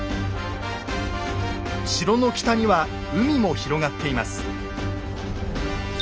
城の北には海も広がっています。